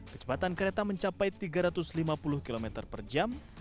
kecepatan kereta mencapai tiga ratus lima puluh km per jam